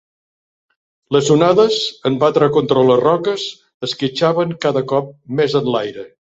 Les onades, en batre contra les roques, esquitxaven cada cop més enlaire.